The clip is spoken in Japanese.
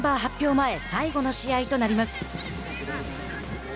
前最後の試合となります。